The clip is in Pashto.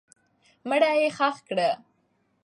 مړی یې ښخ کړه.